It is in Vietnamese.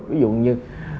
ví dụ như